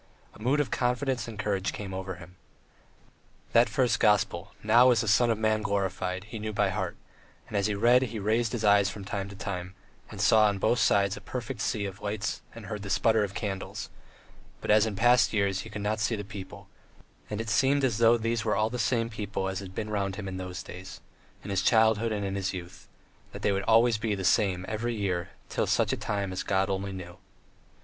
A mood of confidence and courage came over him. That first gospel, "Now is the Son of Man glorified," he knew by heart; and as he read he raised his eyes from time to time, and saw on both sides a perfect sea of lights and heard the splutter of candles, but, as in past years, he could not see the people, and it seemed as though these were all the same people as had been round him in those days, in his childhood and his youth; that they would always be the same every year and till such time as God only knew.